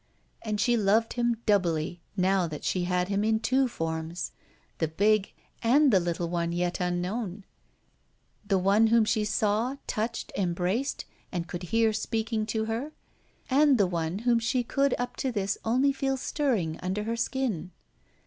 And she loved him doubly, now that she had him in two forms the big, and the little one as yet unknown, the one whom she saw, touched, embraced, and could hear speaking to her, and the one whom she could up to this only feel stirring under her skin.